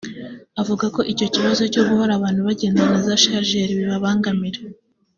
Avuga ko icyo kibazo cyo guhora abantu bagendana za sharijeri bibabangamira